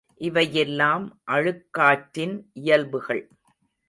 இவையெல்லாம் அழுக்காற்றின் இயல்புகள்.